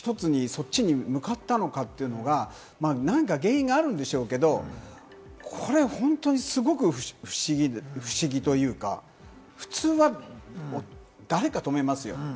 そっちに向かったのかというのが、何か原因があるんでしょうけれども、これ本当にすごく不思議というか、普通は誰か止めますよ。